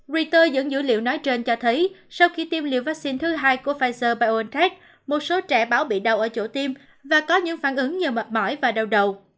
reers dẫn dữ liệu nói trên cho thấy sau khi tiêm liều vaccine thứ hai của pfizer biontech một số trẻ báo bị đau ở chỗ tiêm và có những phản ứng nhờ mệt mỏi và đau đầu